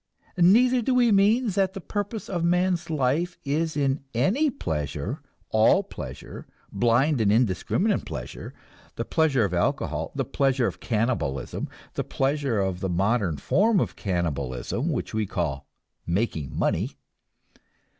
Neither do we mean that the purpose of man's own life is any pleasure, all pleasure, blind and indiscriminate pleasure; the pleasure of alcohol, the pleasure of cannibalism, the pleasure of the modern form of cannibalism which we call "making money."